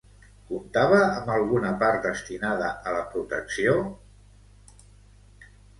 Comptava amb alguna part destinada a la protecció?